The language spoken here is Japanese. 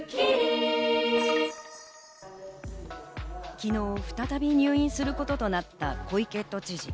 昨日、再び入院することとなった小池都知事。